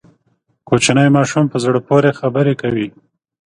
کوچنی ماشوم په زړه پورې خبرې کوي.